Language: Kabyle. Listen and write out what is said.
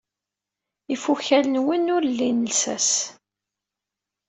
Ifukal-nwen ur lin llsas.